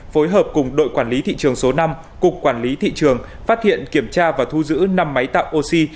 phối hợp cùng đội quản lý thị trường số năm cục quản lý thị trường phát hiện kiểm tra và thu giữ năm máy tạo oxy